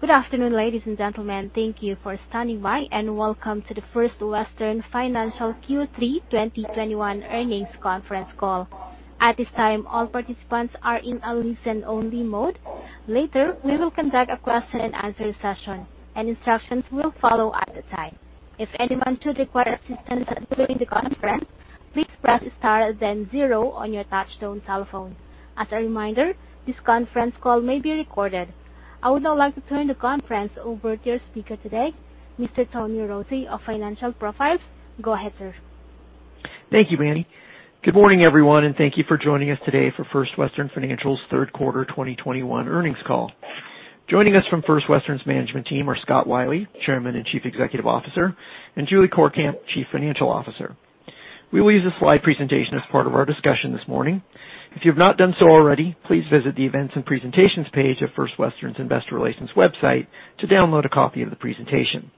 Good afternoon, ladies and gentlemen. Thank you for standing by, and welcome to the First Western Financial Q3 2021 earnings conference call. I would now like to turn the conference over to your speaker today, Mr. Tony Rossi of Financial Profiles. Go ahead, sir. Thank you, Manny. Good morning, everyone, and thank you for joining us today for First Western Financial's third quarter 2021 earnings call. Joining us from First Western's management team are Scott Wylie, Chairman and Chief Executive Officer, and Julie Courkamp, Chief Financial Officer. We will use a slide presentation as part of our discussion this morning. If you have not done so already, please visit the Events and Presentations page of First Western's Investor Relations website to download a copy of the presentation.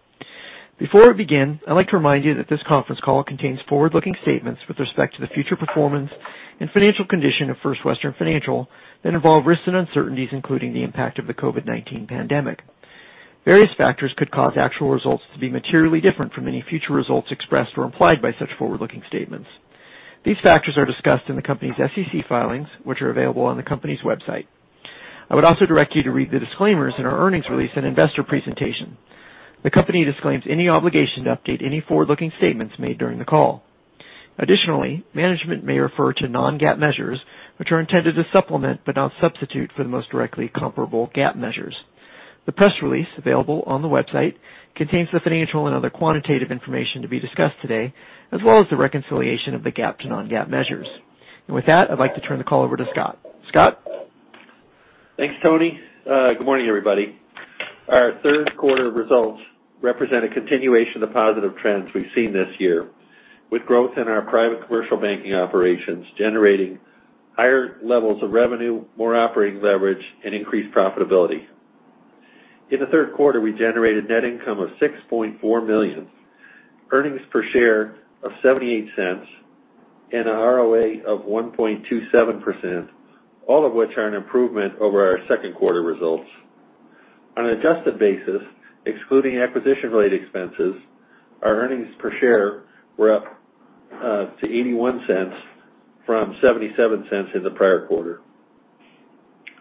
Before we begin, I'd like to remind you that this conference call contains forward-looking statements with respect to the future performance and financial condition of First Western Financial that involve risks and uncertainties, including the impact of the COVID-19 pandemic. Various factors could cause actual results to be materially different from any future results expressed or implied by such forward-looking statements. These factors are discussed in the company's SEC filings, which are available on the company's website. I would also direct you to read the disclaimers in our earnings release and investor presentation. The company disclaims any obligation to update any forward-looking statements made during the call. Additionally, management may refer to non-GAAP measures, which are intended to supplement, but not substitute, for the most directly comparable GAAP measures. The press release available on the website contains the financial and other quantitative information to be discussed today, as well as the reconciliation of the GAAP to non-GAAP measures. With that, I'd like to turn the call over to Scott. Scott? Thanks, Tony. Good morning, everybody. Our third quarter results represent a continuation of the positive trends we've seen this year, with growth in our private commercial banking operations generating higher levels of revenue, more operating leverage, and increased profitability. In the third quarter, we generated net income of $6.4 million, earnings per share of $0.78, and an ROA of 1.27%, all of which are an improvement over our second quarter results. On an adjusted basis, excluding acquisition-related expenses, our earnings per share were up to $0.81 from $0.77 in the prior quarter.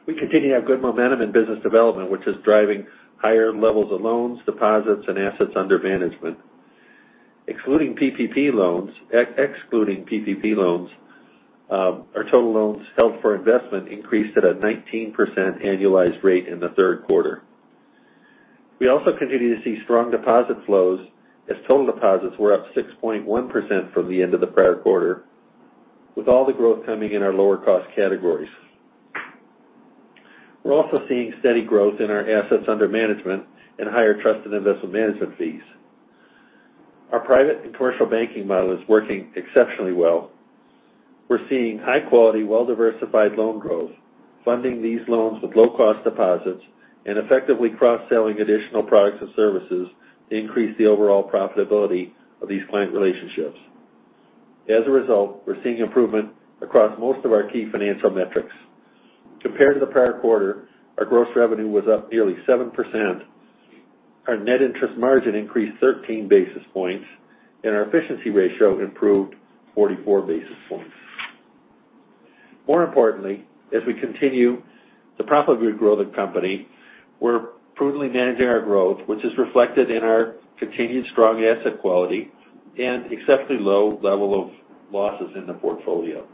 We continue to have good momentum in business development, which is driving higher levels of loans, deposits, and assets under management. Excluding PPP loans, our total loans held for investment increased at a 19% annualized rate in the third quarter. We also continue to see strong deposit flows as total deposits were up 6.1% from the end of the prior quarter, with all the growth coming in our lower cost categories. We're also seeing steady growth in our assets under management and higher trust investment management fees. Our private and commercial banking model is working exceptionally well. We're seeing high quality, well-diversified loan growth, funding these loans with low cost deposits, and effectively cross-selling additional products and services to increase the overall profitability of these client relationships. As a result, we're seeing improvement across most of our key financial metrics. Compared to the prior quarter, our gross revenue was up nearly 7%, our net interest margin increased 13 basis points, and our efficiency ratio improved 44 basis points. More importantly, as we continue the profitable growth of the company, we're prudently managing our growth, which is reflected in our continued strong asset quality and exceptionally low level of losses in the portfolio.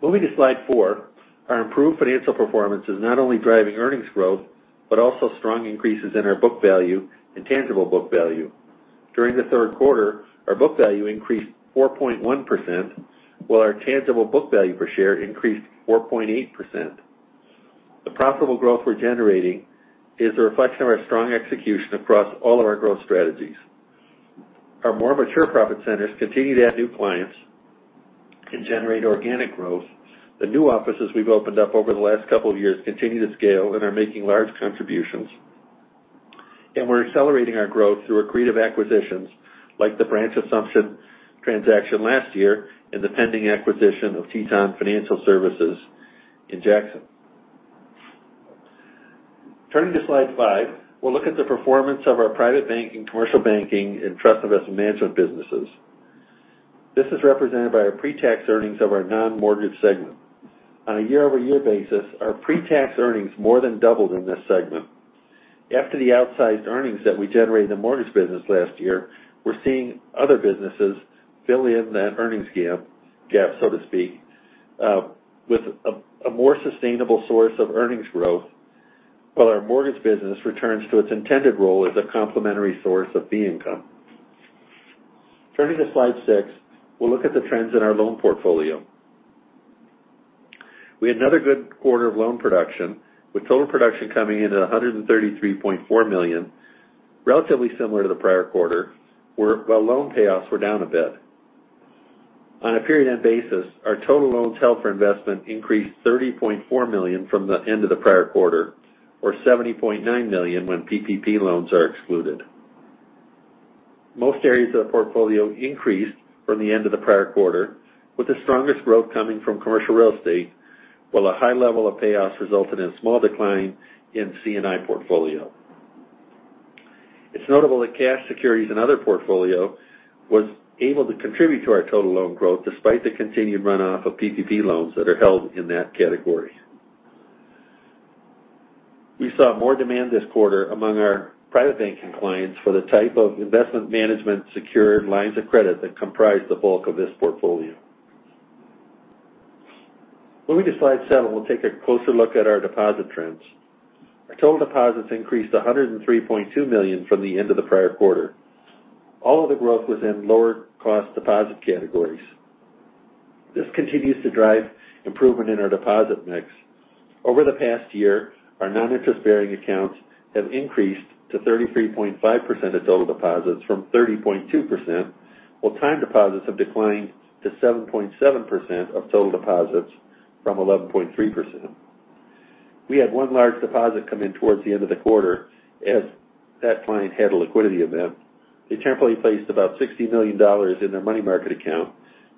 Moving to slide four, our improved financial performance is not only driving earnings growth, but also strong increases in our book value and tangible book value. During the third quarter, our book value increased 4.1%, while our tangible book value per share increased 4.8%. The profitable growth we're generating is a reflection of our strong execution across all of our growth strategies. Our more mature profit centers continue to add new clients and generate organic growth. The new offices we've opened up over the last couple of years continue to scale and are making large contributions. We're accelerating our growth through accretive acquisitions, like the branch assumption transaction last year and the pending acquisition of Teton Financial Services in Jackson. Turning to slide five, we'll look at the performance of our private banking, commercial banking, and trusted investment management businesses. This is represented by our pre-tax earnings of our non-mortgage segment. On a year-over-year basis, our pre-tax earnings more than doubled in this segment. After the outsized earnings that we generated in the mortgage business last year, we're seeing other businesses fill in that earnings gap, so to speak, with a more sustainable source of earnings growth while our mortgage business returns to its intended role as a complementary source of fee income. Turning to slide six, we'll look at the trends in our loan portfolio. We had another good quarter of loan production, with total production coming in at $133.4 million, relatively similar to the prior quarter, while loan payoffs were down a bit. On a period end basis, our total loans held for investment increased $30.4 million from the end of the prior quarter or $70.9 million when PPP loans are excluded. Most areas of the portfolio increased from the end of the prior quarter, with the strongest growth coming from commercial real estate, while a high level of payoffs resulted in a small decline in C&I portfolio. It's notable that cash securities and other portfolio was able to contribute to our total loan growth, despite the continued runoff of PPP loans that are held in that category. We saw more demand this quarter among our private banking clients for the type of investment management secured lines of credit that comprise the bulk of this portfolio. Moving to slide seven, we'll take a closer look at our deposit trends. Our total deposits increased to $103.2 million from the end of the prior quarter. All of the growth was in lower cost deposit categories. This continues to drive improvement in our deposit mix. Over the past year, our non-interest-bearing accounts have increased to 33.5% of total deposits from 30.2%, while time deposits have declined to 7.7% of total deposits from 11.3%. We had one large deposit come in towards the end of the quarter, as that client had a liquidity event. They temporarily placed about $60 million in their money market account,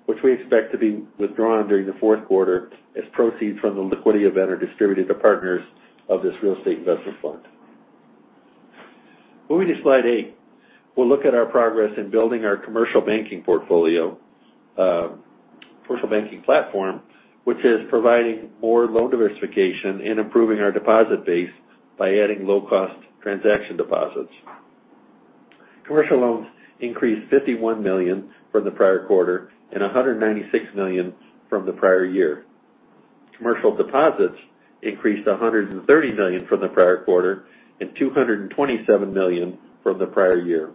which we expect to be withdrawn during the fourth quarter as proceeds from the liquidity event are distributed to partners of this real estate investment fund. Moving to slide eight, we'll look at our progress in building our commercial banking platform, which is providing more loan diversification and improving our deposit base by adding low-cost transaction deposits. Commercial loans increased $51 million from the prior quarter and $196 million from the prior year. Commercial deposits increased $130 million from the prior quarter and $227 million from the prior year.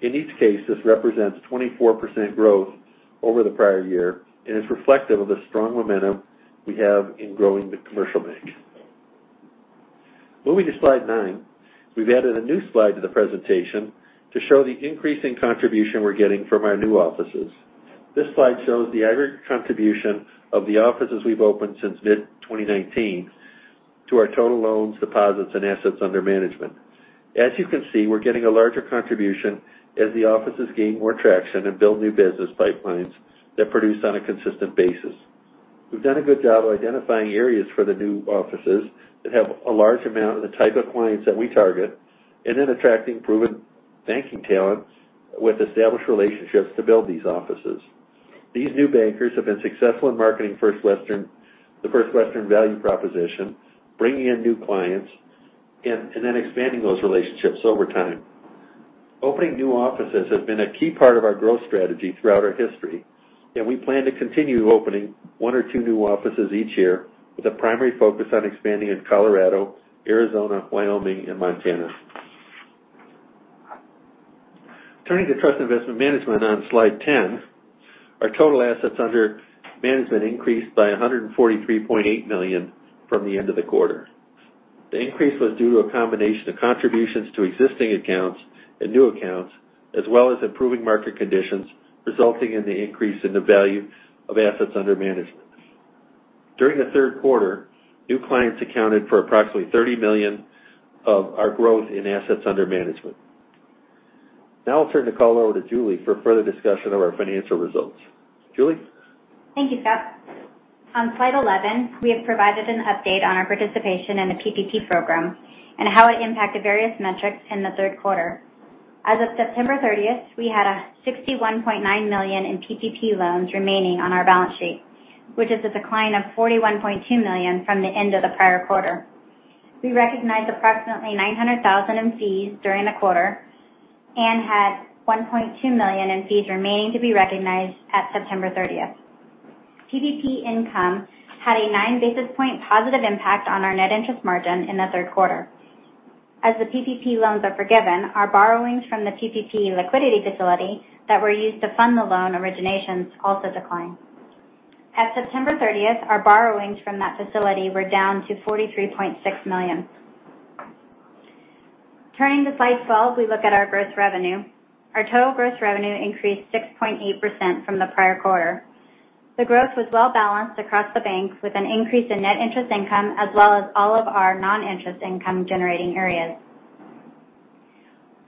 In each case, this represents 24% growth over the prior year and is reflective of the strong momentum we have in growing the commercial bank. Moving to slide nine, we've added a new slide to the presentation to show the increasing contribution we're getting from our new offices. This slide shows the aggregate contribution of the offices we've opened since mid-2019 to our total loans, deposits, and assets under management. As you can see, we're getting a larger contribution as the offices gain more traction and build new business pipelines that produce on a consistent basis. We've done a good job of identifying areas for the new offices that have a large amount of the type of clients that we target and in attracting proven banking talents with established relationships to build these offices. These new bankers have been successful in marketing the First Western value proposition, bringing in new clients, and then expanding those relationships over time. Opening new offices has been a key part of our growth strategy throughout our history, we plan to continue opening one or two new offices each year with a primary focus on expanding in Colorado, Arizona, Wyoming, and Montana. Turning to trust investment management on slide 10, our total assets under management increased by $143.8 million from the end of the quarter. The increase was due to a combination of contributions to existing accounts and new accounts, as well as improving market conditions, resulting in the increase in the value of assets under management. During the third quarter, new clients accounted for approximately $30 million of our growth in assets under management. Now I'll turn the call over to Julie for further discussion of our financial results. Julie? Thank you, Scott. On slide 11, we have provided an update on our participation in the PPP program and how it impacted various metrics in the third quarter. As of September 30th, we had $61.9 million in PPP loans remaining on our balance sheet, which is a decline of $41.2 million from the end of the prior quarter. We recognized approximately $900,000 in fees during the quarter and had $1.2 million in fees remaining to be recognized at September 30th. PPP income had a 9 basis point positive impact on our net interest margin in the third quarter. As the PPP loans are forgiven, our borrowings from the PPP liquidity facility that were used to fund the loan originations also decline. At September 30th, our borrowings from that facility were down to $43.6 million. Turning to slide 12, we look at our gross revenue. Our total gross revenue increased 6.8% from the prior quarter. The growth was well-balanced across the bank, with an increase in net interest income, as well as all of our non-interest income-generating areas.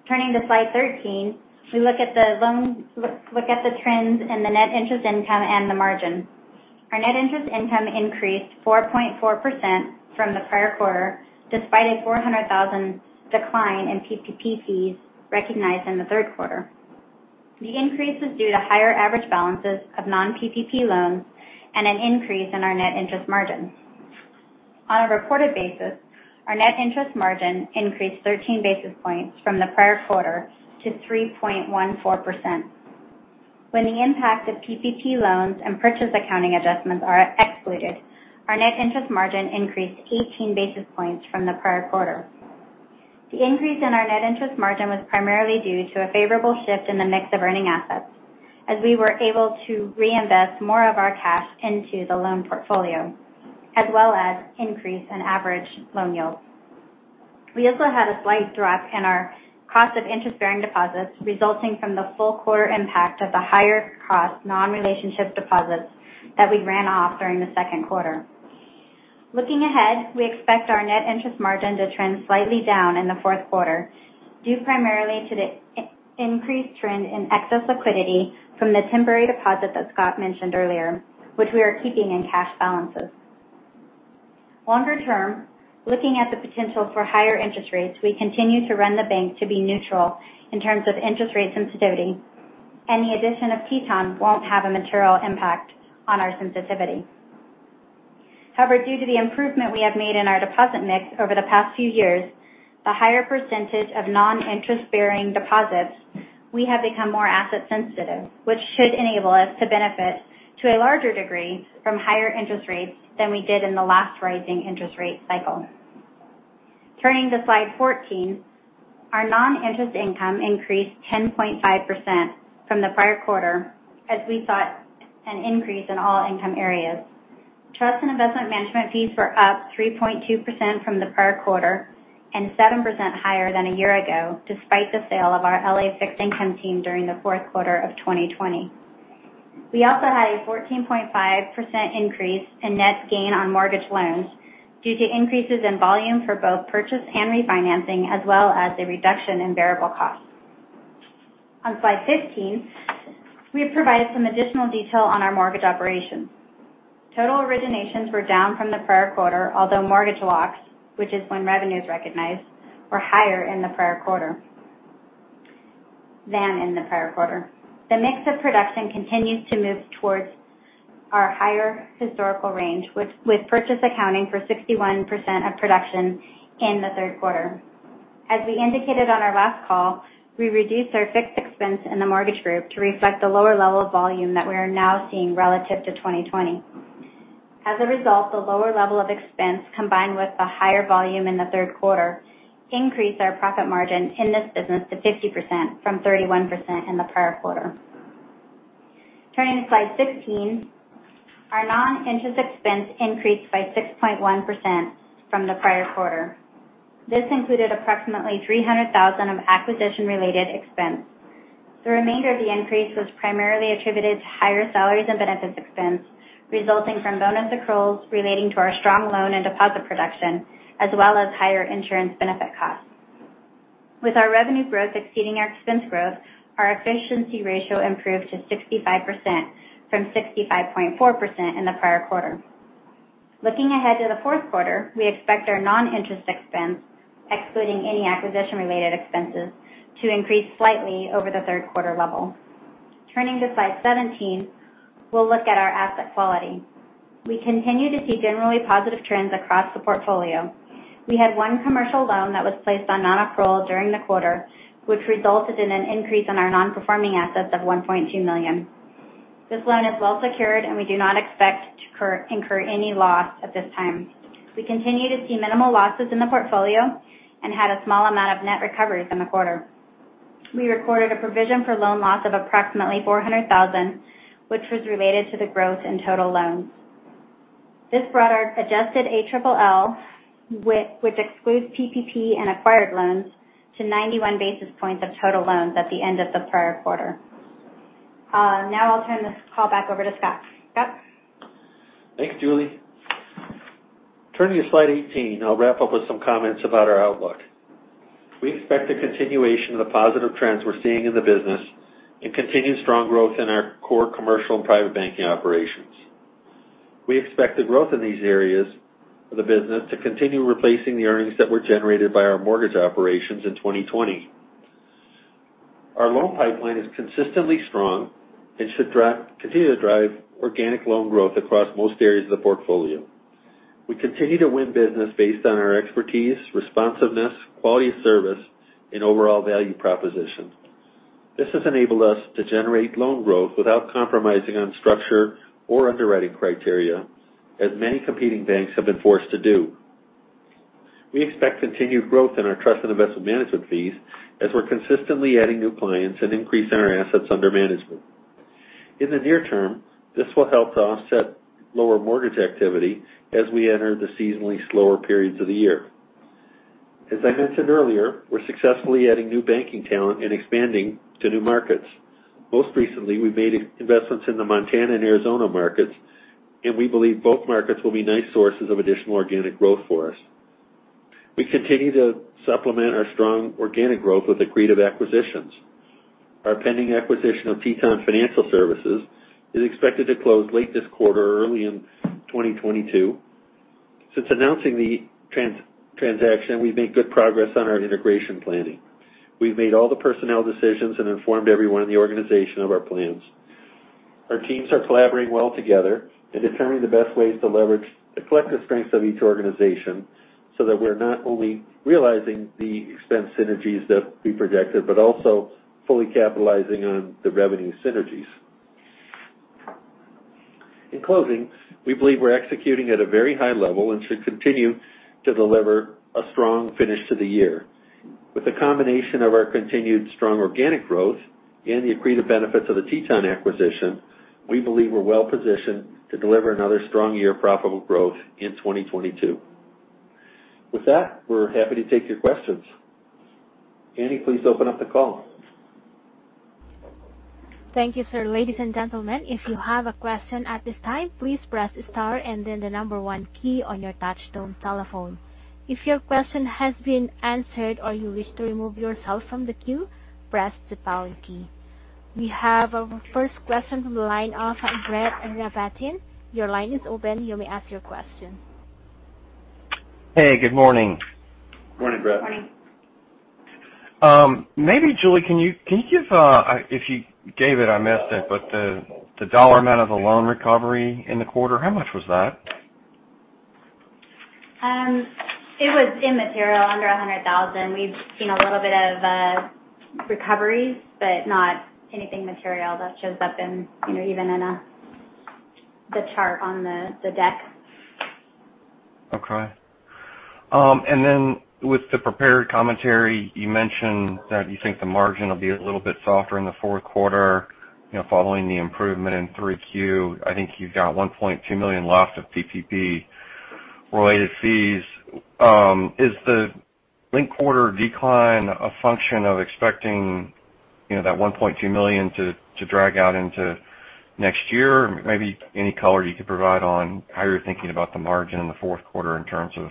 Turning to slide 13, we look at the trends in the net interest income and the margin. Our net interest income increased 4.4% from the prior quarter, despite a $400,000 decline in PPP fees recognized in the third quarter. The increase is due to higher average balances of non-PPP loans and an increase in our net interest margin. On a reported basis, our net interest margin increased 13 basis points from the prior quarter to 3.14%. When the impact of PPP loans and purchase accounting adjustments are excluded, our net interest margin increased 18 basis points from the prior quarter. The increase in our net interest margin was primarily due to a favorable shift in the mix of earning assets, as we were able to reinvest more of our cash into the loan portfolio, as well as increase in average loan yields. We also had a slight drop in our cost of interest-bearing deposits resulting from the full quarter impact of the higher cost non-relationship deposits that we ran off during the second quarter. Looking ahead, we expect our net interest margin to trend slightly down in the fourth quarter, due primarily to the increased trend in excess liquidity from the temporary deposit that Scott mentioned earlier, which we are keeping in cash balances. Longer term, looking at the potential for higher interest rates, we continue to run the bank to be neutral in terms of interest rate sensitivity. Any addition of Teton won't have a material impact on our sensitivity. However, due to the improvement we have made in our deposit mix over the past few years, the higher percentage of non-interest-bearing deposits, we have become more asset sensitive, which should enable us to benefit to a larger degree from higher interest rates than we did in the last rising interest rate cycle. Turning to slide 14, our non-interest income increased 10.5% from the prior quarter as we saw an increase in all income areas. Trust and investment management fees were up 3.2% from the prior quarter, and 7% higher than a year ago, despite the sale of our L.A. fixed income team during the fourth quarter of 2020. We also had a 14.5% increase in net gain on mortgage loans due to increases in volume for both purchase and refinancing, as well as a reduction in variable costs. On slide 15, we have provided some additional detail on our mortgage operations. Total originations were down from the prior quarter, although mortgage locks, which is when revenue's recognized, were higher than in the prior quarter. The mix of production continues to move towards our higher historical range, with purchase accounting for 61% of production in the third quarter. As we indicated on our last call, we reduced our fixed expense in the mortgage group to reflect the lower level of volume that we are now seeing relative to 2020. As a result, the lower level of expense, combined with the higher volume in the third quarter, increased our profit margin in this business to 50% from 31% in the prior quarter. Turning to slide 16, our non-interest expense increased by 6.1% from the prior quarter. This included approximately $300,000 of acquisition-related expense. The remainder of the increase was primarily attributed to higher salaries and benefits expense, resulting from bonus accruals relating to our strong loan and deposit production, as well as higher insurance benefit costs. With our revenue growth exceeding our expense growth, our efficiency ratio improved to 65% from 65.4% in the prior quarter. Looking ahead to the fourth quarter, we expect our non-interest expense, excluding any acquisition-related expenses, to increase slightly over the third quarter level. Turning to slide 17, we'll look at our asset quality. We continue to see generally positive trends across the portfolio. We had one commercial loan that was placed on non-accrual during the quarter, which resulted in an increase in our non-performing assets of $1.2 million. This loan is well secured, and we do not expect to incur any loss at this time. We continue to see minimal losses in the portfolio and had a small amount of net recoveries in the quarter. We recorded a provision for loan loss of approximately $400,000, which was related to the growth in total loans. This brought our adjusted ALL, which excludes PPP and acquired loans, to 91 basis points of total loans at the end of the prior quarter. I'll turn this call back over to Scott. Scott? Thanks, Julie. Turning to slide 18, I'll wrap up with some comments about our outlook. We expect a continuation of the positive trends we're seeing in the business and continued strong growth in our core commercial and private banking operations. We expect the growth in these areas of the business to continue replacing the earnings that were generated by our mortgage operations in 2020. Our loan pipeline is consistently strong and should continue to drive organic loan growth across most areas of the portfolio. We continue to win business based on our expertise, responsiveness, quality of service, and overall value proposition. This has enabled us to generate loan growth without compromising on structure or underwriting criteria, as many competing banks have been forced to do. We expect continued growth in our trust and investment management fees as we're consistently adding new clients and increasing our assets under management. In the near term, this will help to offset lower mortgage activity as we enter the seasonally slower periods of the year. As I mentioned earlier, we're successfully adding new banking talent and expanding to new markets. Most recently, we made investments in the Montana and Arizona markets, and we believe both markets will be nice sources of additional organic growth for us. We continue to supplement our strong organic growth with accretive acquisitions. Our pending acquisition of Teton Financial Services is expected to close late this quarter or early in 2022. Since announcing the transaction, we've made good progress on our integration planning. We've made all the personnel decisions and informed everyone in the organization of our plans. Our teams are collaborating well together and determining the best ways to leverage the collective strengths of each organization so that we're not only realizing the expense synergies that we projected, but also fully capitalizing on the revenue synergies. In closing, we believe we're executing at a very high level and should continue to deliver a strong finish to the year. With the combination of our continued strong organic growth and the accretive benefits of the Teton acquisition, we believe we're well positioned to deliver another strong year of profitable growth in 2022. With that, we're happy to take your questions. Annie, please open up the call. Thank you, sir. Ladies and gentlemen, if you have a question at this time, please press Star and then the number one key on your touchtone telephone. If your question has been answered or you wish to remove yourself from the queue, press the pound key. We have our first question from the line of Brett Rabatin. Your line is open. You may ask your question. Hey, good morning. Morning, Brett. Morning. Maybe Julie, if you gave it, I missed it, but the dollar amount of the loan recovery in the quarter, how much was that? It was immaterial, under $100,000. We've seen a little bit of recoveries, but not anything material that shows up even in the chart on the deck. Okay. With the prepared commentary, you mentioned that you think the margin will be a little bit softer in the fourth quarter, following the improvement in Q3. I think you've got $1.2 million left of PPP-related fees. Is the linked quarter decline a function of expecting that $1.2 million to drag out into next year? Maybe any color you could provide on how you're thinking about the margin in the fourth quarter in terms of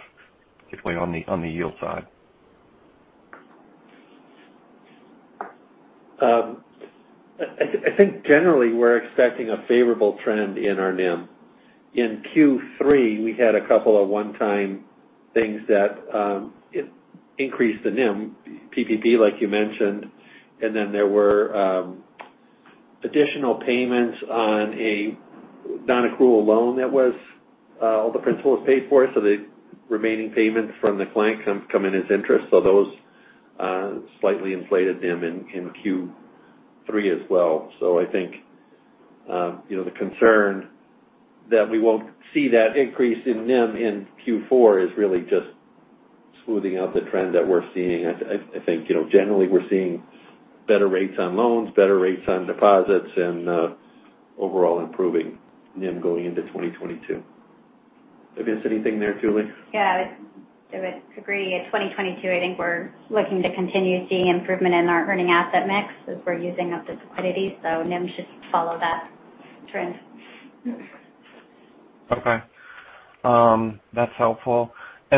particularly on the yield side. I think generally, we're expecting a favorable trend in our NIM. In Q3, we had a couple of one-time things that increased the NIM, PPP, like you mentioned, and then there were additional payments on a non-accrual loan that was all the principals paid for, so the remaining payments from the client come in as interest. Those slightly inflated NIM in Q3 as well. I think the concern that we won't see that increase in NIM in Q4 is really just smoothing out the trend that we're seeing. I think generally we're seeing better rates on loans, better rates on deposits, and overall improving NIM going into 2022. Did I miss anything there, Julie? Yeah. I would agree. At 2022, I think we're looking to continue seeing improvement in our earning asset mix as we're using up the liquidity. NIM should follow that trend. Okay. That's helpful. I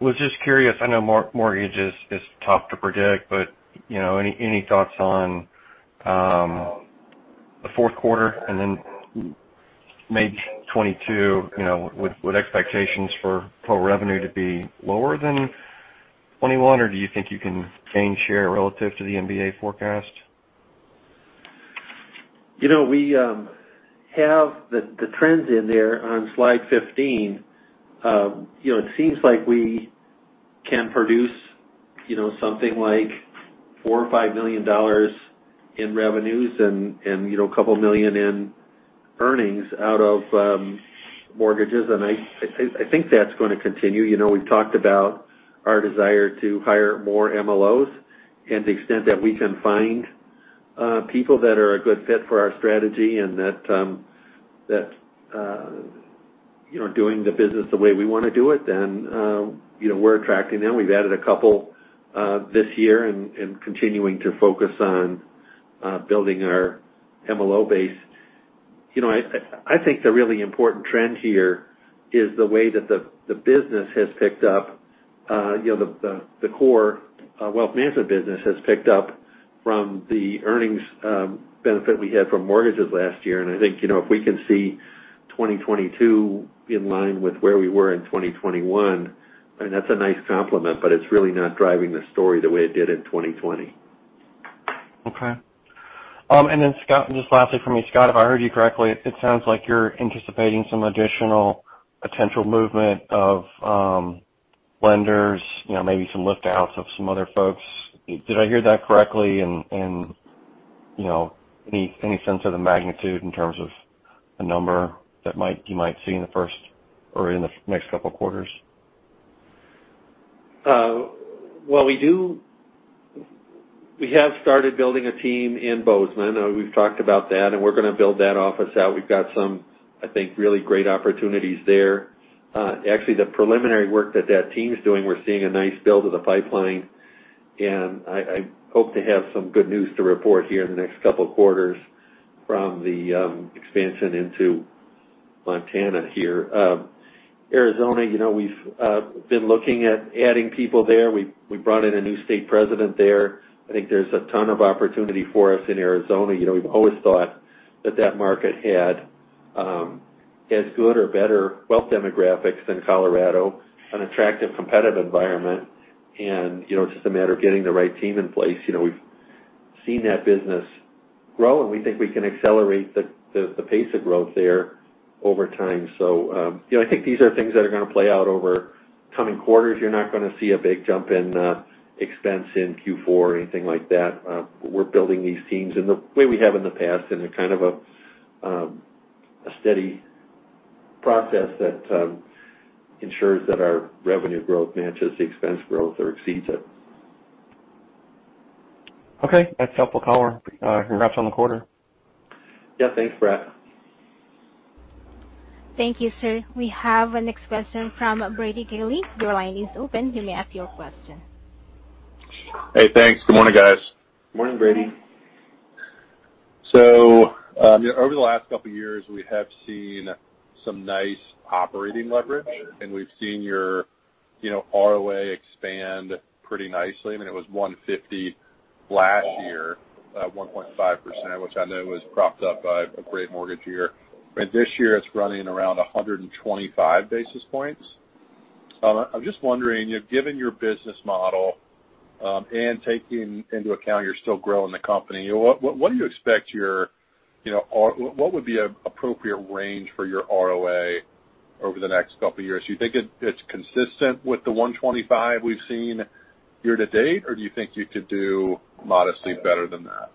was just curious, I know mortgage is tough to predict, but any thoughts on the fourth quarter and then maybe 2022, with expectations for revenue to be lower than 2021? Or do you think you can gain share relative to the MBA forecast? We have the trends in there on slide 15. It seems like we can produce something like $4 million or $5 million in revenues and a couple million in earnings out of mortgages. I think that's going to continue. We've talked about our desire to hire more MLOs. To the extent that we can find people that are a good fit for our strategy and that doing the business the way we want to do it, then we're attracting them. We've added a couple this year and continuing to focus on building our MLO base. I think the really important trend here is the way that the business has picked up. The core wealth management business has picked up from the earnings benefit we had from mortgages last year. I think, if we can see 2022 in line with where we were in 2021, and that's a nice complement, but it's really not driving the story the way it did in 2020. Okay. Scott, just lastly from me, Scott, if I heard you correctly, it sounds like you're anticipating some additional potential movement of lenders, maybe some lift outs of some other folks. Did I hear that correctly? Any sense of the magnitude in terms of a number that you might see in the first or in the next couple of quarters? We have started building a team in Bozeman. We've talked about that, and we're going to build that office out. We've got some, I think, really great opportunities there. Actually, the preliminary work that that team's doing, we're seeing a nice build of the pipeline, and I hope to have some good news to report here in the next couple of quarters from the expansion into Montana here. Arizona, we've been looking at adding people there. We brought in a new state president there. I think there's a ton of opportunity for us in Arizona. We've always thought that that market had as good or better wealth demographics than Colorado, an attractive competitive environment, and it's just a matter of getting the right team in place. We've seen that business grow, and we think we can accelerate the pace of growth there over time. I think these are things that are going to play out over coming quarters. You're not going to see a big jump in expense in Q4 or anything like that. We're building these teams in the way we have in the past in a steady process that ensures that our revenue growth matches the expense growth or exceeds it. Okay. That's helpful color. Congrats on the quarter. Yeah. Thanks, Brett. Thank you, sir. We have our next question from Brady Gailey. Your line is open. You may ask your question. Hey, thanks. Good morning, guys. Morning, Brady. Over the last couple of years, we have seen some nice operating leverage, and we've seen your ROA expand pretty nicely. It was 150 last year, 1.5%, which I know was propped up by a great mortgage year. This year it's running around 125 basis points. I'm just wondering, given your business model, and taking into account you're still growing the company, what would be an appropriate range for your ROA over the next couple years? Do you think it's consistent with the 125 we've seen year to date, or do you think you could do modestly better than that?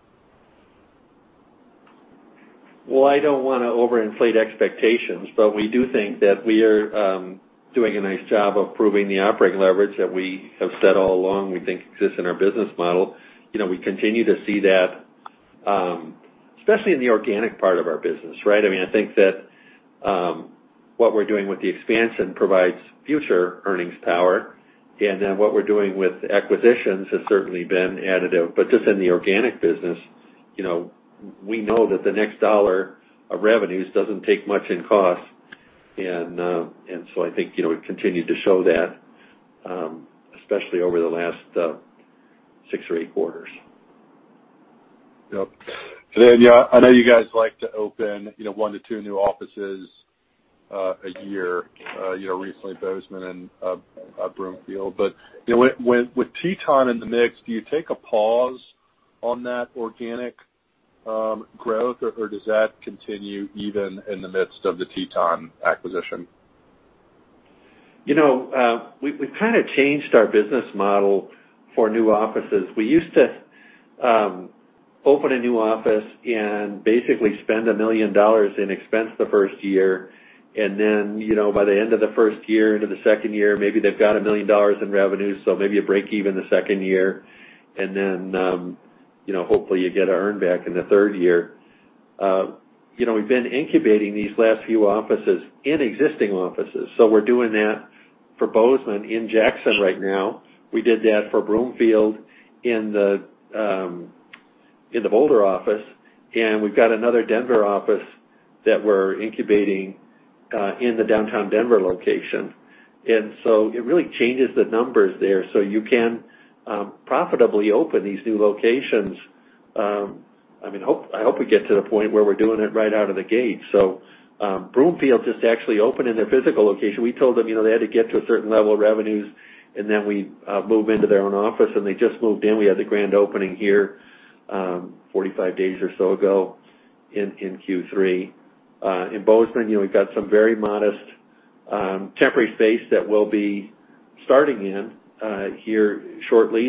I don't want to overinflate expectations, but we do think that we are doing a nice job of proving the operating leverage that we have said all along we think exists in our business model. We continue to see that, especially in the organic part of our business, right? I think that what we're doing with the expansion provides future earnings power, and then what we're doing with acquisitions has certainly been additive. Just in the organic business, we know that the next dollar of revenues doesn't take much in cost. I think we've continued to show that, especially over the last six or eight quarters. Yep. I know you guys like to open one to two new offices a year, recently Bozeman and Broomfield. With Teton in the mix, do you take a pause on that organic growth, or does that continue even in the midst of the Teton acquisition? We've kind of changed our business model for new offices. We used to open a new office and basically spend $1 million in expense the first year, and then by the end of the first year into the second year, maybe they've got $1 million in revenue, so maybe a break even the second year, and then hopefully you get a earn back in the third year. We've been incubating these last few offices in existing offices. We're doing that for Bozeman in Jackson right now. We did that for Broomfield in the Boulder office, and we've got another Denver office that we're incubating in the downtown Denver location. It really changes the numbers there. You can profitably open these new locations. I hope we get to the point where we're doing it right out of the gate. Broomfield just actually opened in their physical location. We told them they had to get to a certain level of revenues, and then we move into their own office, and they just moved in. We had the grand opening here 45 days or so ago in Q3. In Bozeman, we've got some very modest temporary space that we'll be starting in here shortly.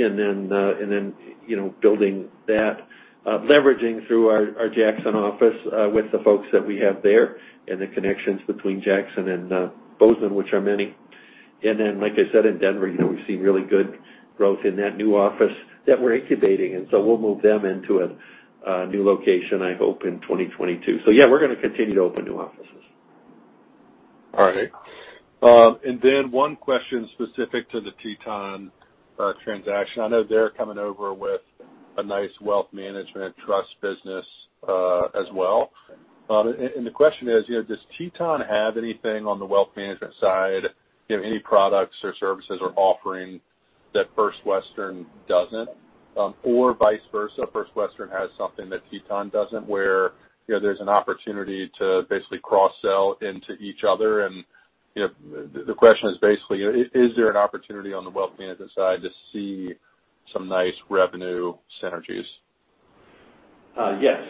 Building that, leveraging through our Jackson office with the folks that we have there and the connections between Jackson and Bozeman, which are many. Like I said, in Denver, we've seen really good growth in that new office that we're incubating. We'll move them into a new location, I hope, in 2022. Yeah, we're going to continue to open new offices. All right. One question specific to the Teton transaction. I know they're coming over with a nice wealth management trust business as well. The question is, does Teton have anything on the wealth management side, any products or services or offering that First Western doesn't? Vice versa, First Western has something that Teton doesn't, where there's an opportunity to basically cross-sell into each other? The question is basically, is there an opportunity on the wealth management side to see some nice revenue synergies? Yes.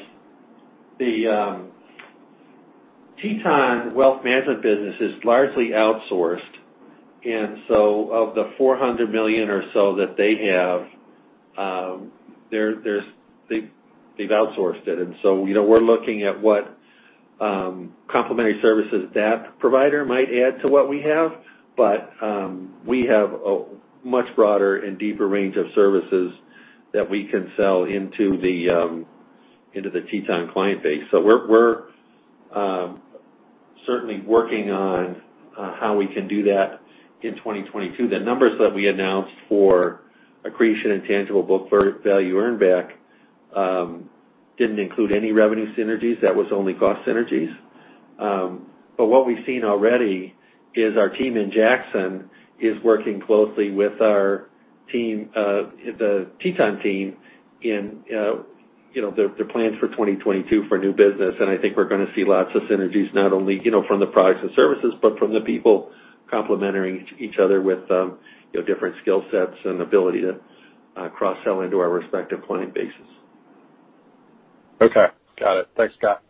The Teton wealth management business is largely outsourced. Of the $400 million or so that they have, they've outsourced it. We're looking at what complementary services that provider might add to what we have. We have a much broader and deeper range of services that we can sell into the Teton client base. We're certainly working on how we can do that in 2022. The numbers that we announced for accretion and tangible book value earn back didn't include any revenue synergies. That was only cost synergies. What we've seen already is our team in Jackson is working closely with the Teton team in their plans for 2022 for new business. I think we're going to see lots of synergies, not only from the products and services, but from the people complementing each other with different skill sets and ability to cross-sell into our respective client bases. Okay. Got it. Thanks, Scott.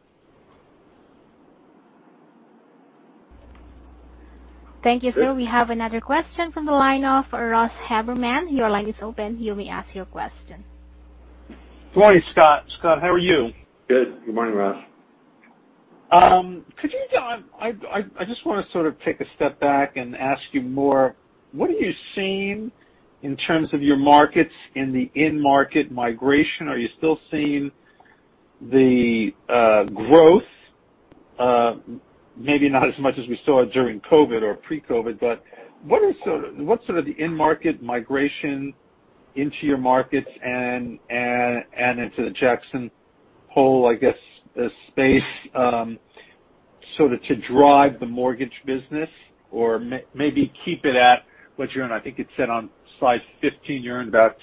Thank you, sir. We have another question from the line of Ross Haberman. Your line is open. You may ask your question. Good morning, Scott. Scott, how are you? Good morning, Ross. I just want to sort of take a step back and ask you more. What are you seeing in terms of your markets in the in-market migration? Are you still seeing the growth, maybe not as much as we saw during COVID or pre-COVID, but what's sort of the in-market migration into your markets and into the Jackson Hole, I guess, space, sort of to drive the mortgage business? Or maybe keep it at what you earned. I think it said on slide 15, you earned about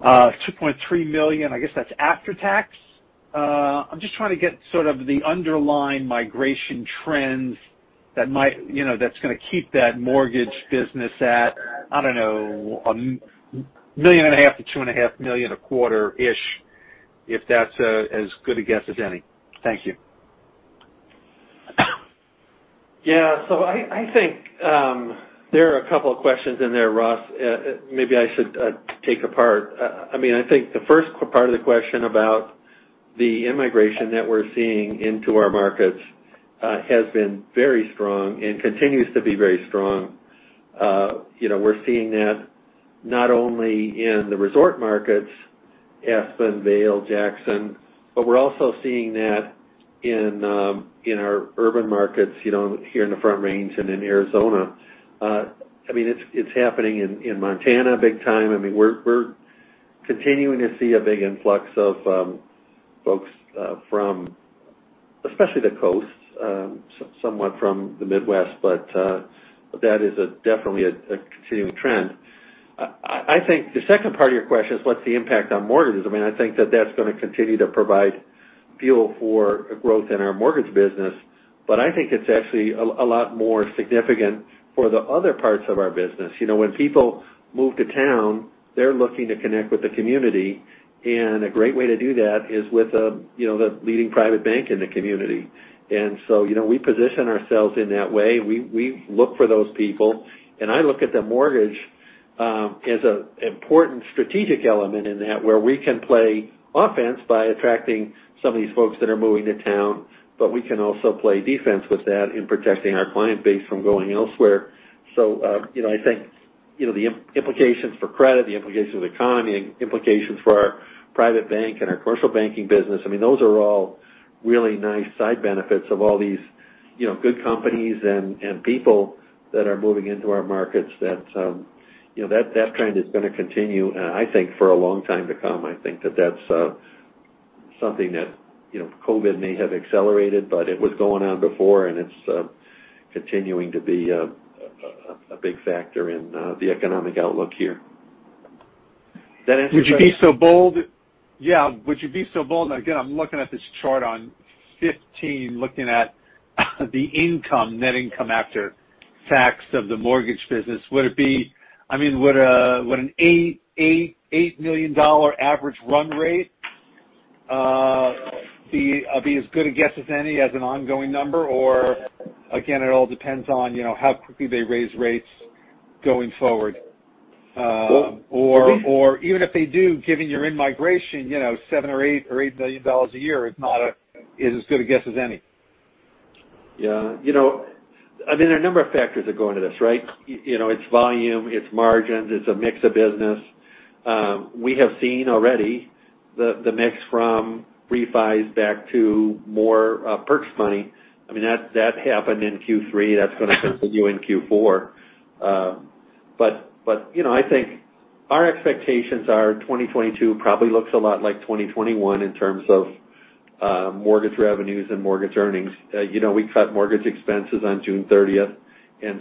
$2.3 million. I guess that's after tax. I'm just trying to get sort of the underlying migration trends that's going to keep that mortgage business at, I don't know, $1.5 million to $2.5 million a quarter-ish, if that's as good a guess as any. Thank you. Yeah. I think there are a couple of questions in there, Ross, maybe I should take apart. I think the first part of the question about the immigration that we're seeing into our markets has been very strong and continues to be very strong. We're seeing that not only in the resort markets, Aspen, Vail, Jackson, but we're also seeing that in our urban markets here in the Front Range and in Arizona. It's happening in Montana big time. We're continuing to see a big influx of folks from especially the coast, somewhat from the Midwest, but that is definitely a continuing trend. I think the second part of your question is what's the impact on mortgages. I think that that's going to continue to provide fuel for growth in our mortgage business, but I think it's actually a lot more significant for the other parts of our business. When people move to town, they're looking to connect with the community, and a great way to do that is with the leading private bank in the community. We position ourselves in that way. We look for those people, and I look at the mortgage as an important strategic element in that, where we can play offense by attracting some of these folks that are moving to town, but we can also play defense with that in protecting our client base from going elsewhere. I think, the implications for credit, the implications of the economy, and implications for our private bank and our commercial banking business, those are all really nice side benefits of all these good companies and people that are moving into our markets. That trend is going to continue, I think, for a long time to come. I think that that's something that COVID may have accelerated, but it was going on before, and it's continuing to be a big factor in the economic outlook here. Would you be so bold, and again, I'm looking at this chart on 15, looking at the net income after tax of the mortgage business. Would an $8 million average run rate be as good a guess as any as an ongoing number? Again, it all depends on how quickly they raise rates going forward. Even if they do, given your in-migration, $7 million or $8 million a year is as good a guess as any. There are a number of factors that go into this, right? It's volume, it's margins, it's a mix of business. We have seen already the mix from refis back to more purchase money. That happened in Q3. That's going to continue in Q4. I think our expectations are 2022 probably looks a lot like 2021 in terms of mortgage revenues and mortgage earnings. We cut mortgage expenses on June 30th,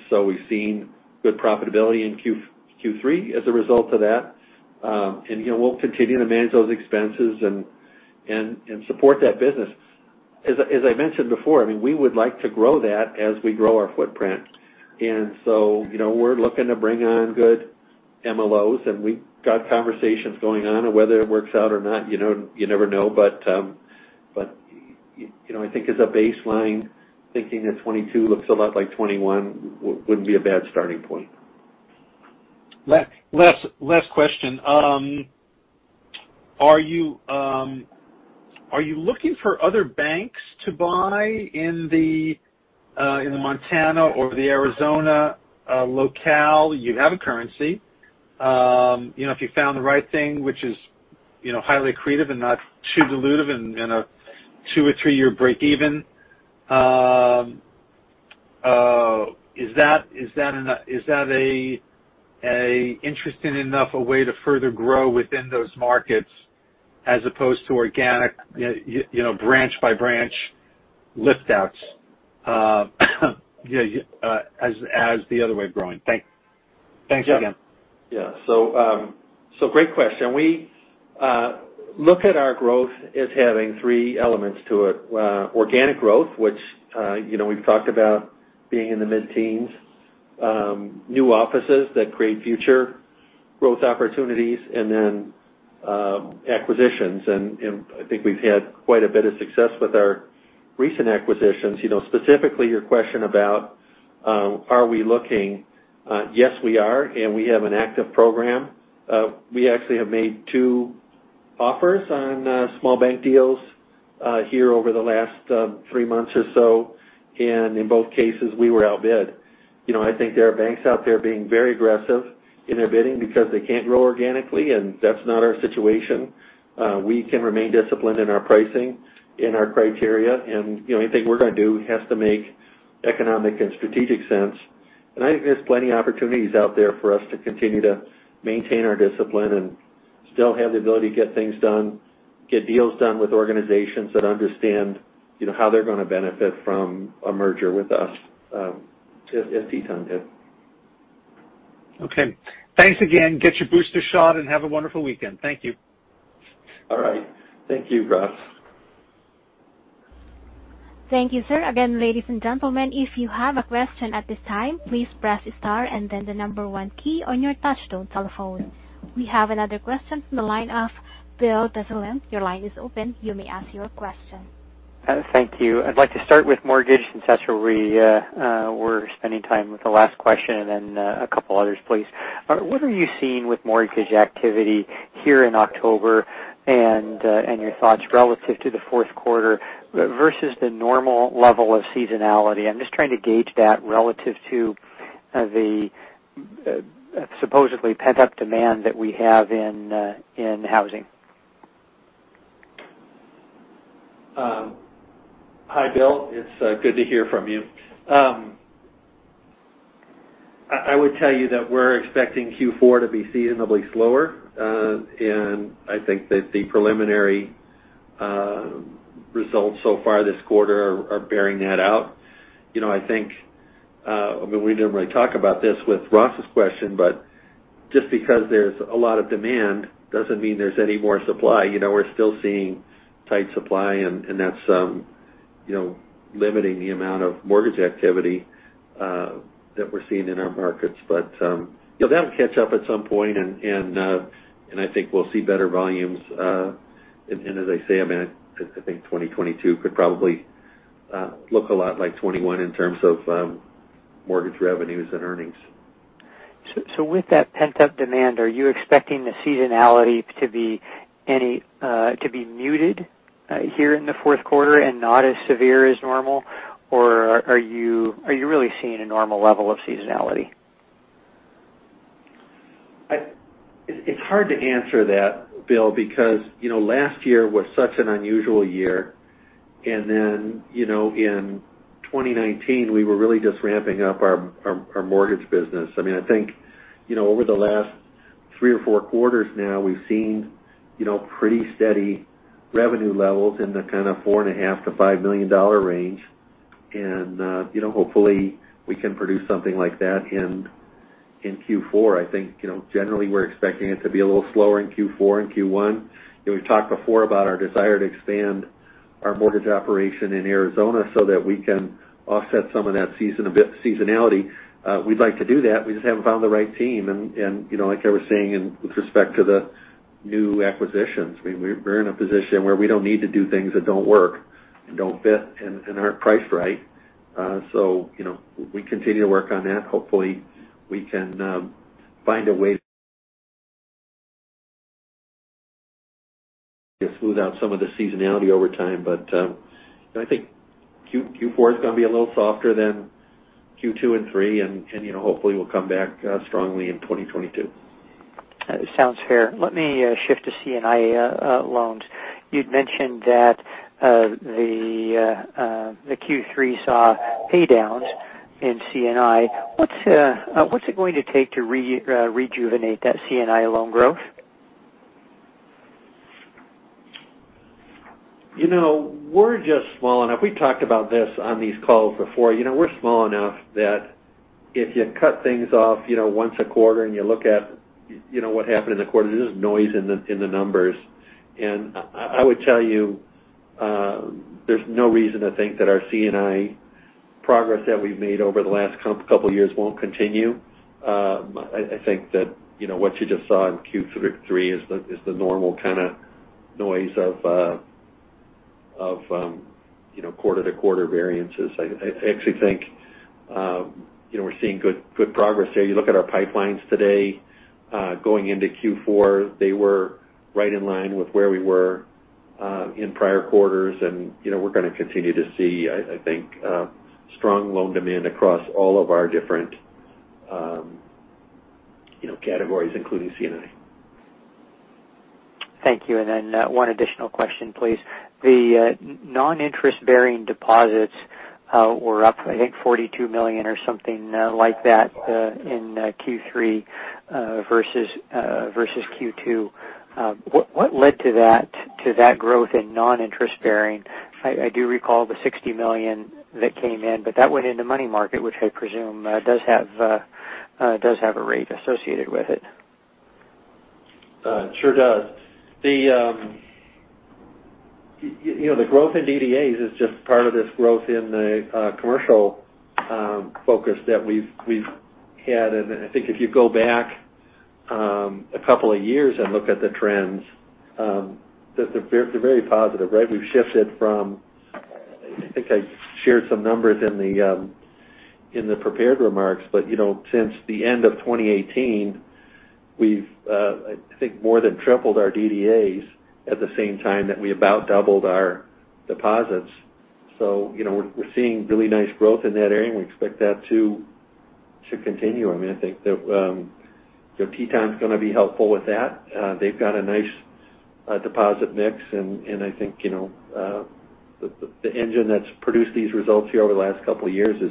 so we've seen good profitability in Q3 as a result of that. We'll continue to manage those expenses and support that business. As I mentioned before, we would like to grow that as we grow our footprint. So, we're looking to bring on good MLOs, and we've got conversations going on and whether it works out or not, you never know. I think as a baseline, thinking that 2022 looks a lot like 2021 wouldn't be a bad starting point. Last question. Are you looking for other banks to buy in the Montana or the Arizona locale? You have a currency. If you found the right thing, which is highly accretive and not too dilutive and a two or three-year break even. Is that a interesting enough a way to further grow within those markets as opposed to organic, branch by branch lift outs as the other way of growing? Thanks again Yeah. Great question. We look at our growth as having three elements to it. Organic growth, which we've talked about being in the mid-teens. New offices that create future growth opportunities, acquisitions, I think we've had quite a bit of success with our recent acquisitions. Specifically, your question about are we looking? Yes, we are, we have an active program. We actually have made two offers on small bank deals here over the last three months or so, in both cases, we were outbid. I think there are banks out there being very aggressive in their bidding because they can't grow organically, that's not our situation. We can remain disciplined in our pricing, in our criteria, anything we're going to do has to make economic and strategic sense. I think there's plenty opportunities out there for us to continue to maintain our discipline and still have the ability to get things done, get deals done with organizations that understand how they're going to benefit from a merger with us if he's done good. Okay. Thanks again. Get your booster shot and have a wonderful weekend. Thank you. All right. Thank you, Ross. Thank you, sir. Again, ladies and gentlemen, if you have a question at this time, please press star 1 on your touchtone telephone. We have another question from the line of Bill Dezellem. Your line is open. You may ask your question. Thank you. I'd like to start with mortgage since that's where we were spending time with the last question, and then a couple others, please. What are you seeing with mortgage activity here in October and your thoughts relative to the fourth quarter versus the normal level of seasonality? I'm just trying to gauge that relative to the supposedly pent-up demand that we have in housing. Hi, Bill. It's good to hear from you. I would tell you that we're expecting Q4 to be seasonably slower. I think that the preliminary results so far this quarter are bearing that out. I think, we didn't really talk about this with Ross's question, but just because there's a lot of demand doesn't mean there's any more supply. We're still seeing tight supply, and that's limiting the amount of mortgage activity that we're seeing in our markets. That'll catch up at some point, and I think we'll see better volumes. As I say, I think 2022 could probably look a lot like 2021 in terms of mortgage revenues and earnings. With that pent-up demand, are you expecting the seasonality to be muted here in the fourth quarter and not as severe as normal? Are you really seeing a normal level of seasonality? It's hard to answer that, Bill, because last year was such an unusual year. In 2019, we were really just ramping up our mortgage business. I think over the last three or four quarters now, we've seen pretty steady revenue levels in the kind of $4.5 million-$5 million range. Hopefully, we can produce something like that in Q4. I think, generally, we're expecting it to be a little slower in Q4 and Q1. We've talked before about our desire to expand our mortgage operation in Arizona so that we can offset some of that seasonality. We'd like to do that. We just haven't found the right team. Like I was saying with respect to the new acquisitions, we're in a position where we don't need to do things that don't work and don't fit and aren't priced right. We continue to work on that. Hopefully, we can find a way to smooth out some of the seasonality over time. I think Q4 is going to be a little softer than Q2 and Q3, and hopefully, we'll come back strongly in 2022. Sounds fair. Let me shift to C&I loans. You'd mentioned that the Q3 saw pay downs in C&I. What's it going to take to rejuvenate that C&I loan growth? We're just small enough. We talked about this on these calls before. We're small enough that if you cut things off once a quarter and you look at what happened in the quarter, there's noise in the numbers. I would tell you, there's no reason to think that our C&I progress that we've made over the last couple years won't continue. I think that what you just saw in Q3 is the normal kind of noise of quarter-to-quarter variances. I actually think we're seeing good progress there. You look at our pipelines today going into Q4, they were right in line with where we were in prior quarters, and we're going to continue to see, I think, strong loan demand across all of our different categories, including C&I. Thank you. Then one additional question, please. The non-interest-bearing deposits were up, I think, $42 million or something like that in Q3 versus Q2. What led to that growth in non-interest-bearing? I do recall the $60 million that came in, but that went into money market, which I presume does have a rate associated with it. It sure does. The growth in DDAs is just part of this growth in the commercial focus that we've had. I think if you go back a couple of years and look at the trends, they're very positive, right? We've shifted from, I think I shared some numbers in the prepared remarks, but since the end of 2018, we've, I think, more than tripled our DDAs at the same time that we about doubled our deposits. We're seeing really nice growth in that area, and we expect that to continue. I think that Teton's going to be helpful with that. They've got a nice deposit mix, and I think the engine that's produced these results here over the last couple of years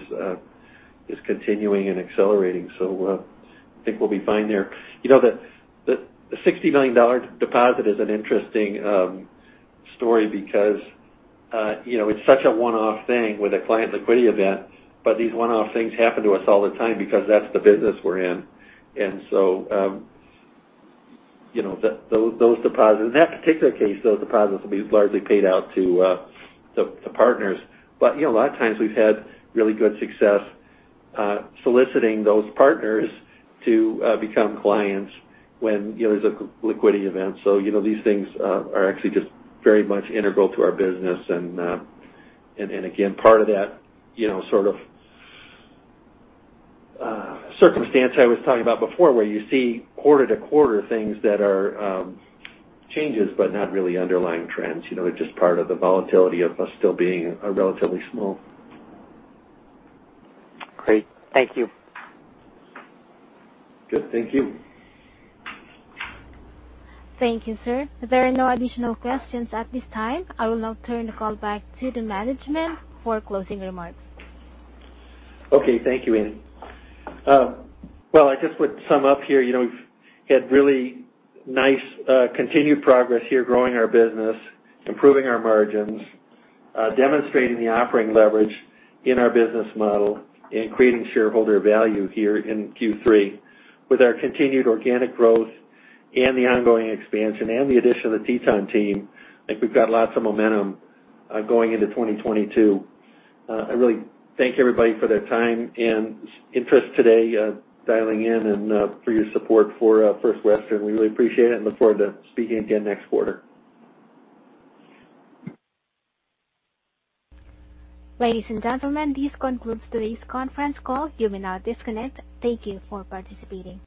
is continuing and accelerating. I think we'll be fine there. The $60 million deposit is an interesting story because it's such a one-off thing with a client liquidity event. These one-off things happen to us all the time because that's the business we're in. Those deposits, in that particular case, those deposits will be largely paid out to the partners. A lot of times we've had really good success soliciting those partners to become clients when there's a liquidity event. These things are actually just very much integral to our business. Again, part of that sort of circumstance I was talking about before, where you see quarter-to-quarter things that are changes, but not really underlying trends. It's just part of the volatility of us still being relatively small. Great. Thank you. Good. Thank you. Thank you, sir. There are no additional questions at this time. I will now turn the call back to the management for closing remarks. Okay. Thank you, Annie. Well, I just would sum up here, we've had really nice continued progress here growing our business, improving our margins, demonstrating the operating leverage in our business model, and creating shareholder value here in Q3. With our continued organic growth and the ongoing expansion and the addition of the Teton team, I think we've got lots of momentum going into 2022. I really thank everybody for their time and interest today dialing in, and for your support for First Western. We really appreciate it and look forward to speaking again next quarter. Ladies and gentlemen, this concludes today's conference call. You may now disconnect. Thank you for participating.